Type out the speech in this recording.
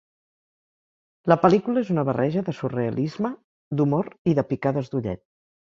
La pel·lícula és una barreja de surrealisme, d'humor i de picades d'ullet.